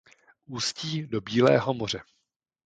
Ústí do Bílého moře.